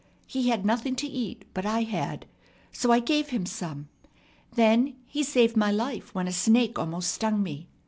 He had nothing to eat, but I had; so I gave him some. Then he saved my life when a snake almost stung me.